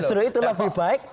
justru itu lebih baik